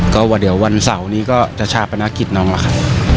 ก็เดี๋ยววันเสาร์นี้ก็จะชาปนาศิกษ์น้องแล้วค่ะ